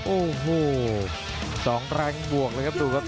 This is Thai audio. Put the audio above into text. โอ้โหสองแรงบวกเลยครับดูครับ